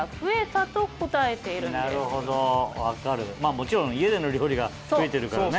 もちろん家での料理が増えてるからね。